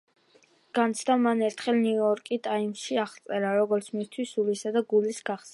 ეს განცდა მან ერთხელ ნიუ-იორკ ტაიმსში აღწერა, როგორც მისთვის „სულისა და გულის გახსნა“.